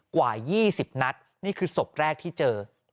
กว่า๒๐นัดนี่คือศพแรกที่เจอ